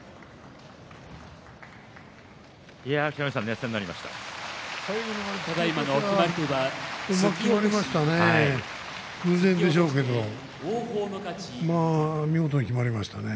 熱戦になりましたね。